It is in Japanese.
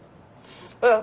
うん！